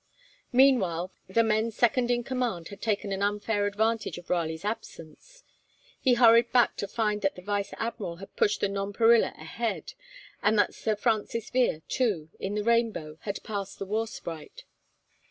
Meanwhile, the men second in command had taken an unfair advantage of Raleigh's absence. He hurried back to find that the Vice Admiral had pushed the 'Nonparilla' ahead, and that Sir Francis Vere, too, in the 'Rainbow,' had passed the 'War Sprite.'